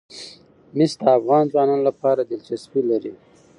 مس د افغان ځوانانو لپاره دلچسپي لري.